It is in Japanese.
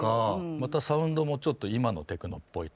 またサウンドもちょっと今のテクノっぽいというか。